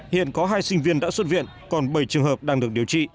hiện có hai sinh viên đã xuất viện còn bảy trường hợp đang được điều trị